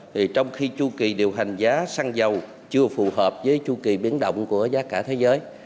thì trong khi chu kỳ điều hành giá xăng dầu chưa phù hợp với chu kỳ biến động của giá cả thế giới